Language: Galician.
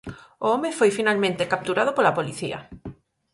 O home foi finalmente capturado pola policía.